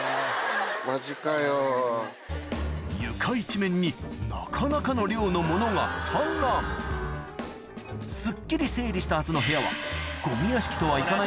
床一面になかなかの量の物が散乱すっきり整理したはずの部屋はゴミ屋敷とはいかな